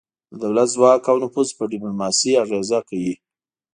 د دولت ځواک او نفوذ په ډیپلوماسي اغیزه کوي